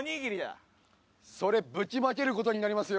それぶちまける事になりますよ。